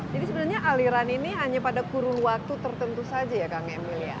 jadi sebenarnya aliran ini hanya pada kurun waktu tertentu saja ya kang emil ya